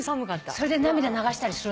それで涙流したりするんですよ。